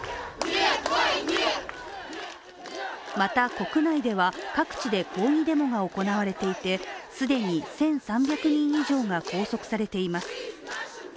また国内では、各地で抗議デモが行われていて既に１３００人以上が拘束されています。